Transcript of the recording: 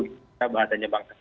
kita bahasanya banget